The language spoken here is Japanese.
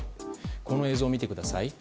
この映像を見てください。